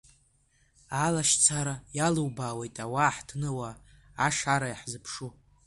Алашьцара иалубаауеит ауаа аҳҭныуаа, ашара иазыԥшу.